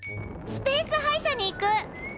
スペース歯医者に行く！